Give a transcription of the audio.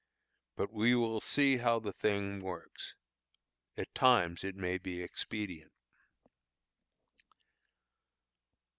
But we will see how the thing works. At times it may be expedient.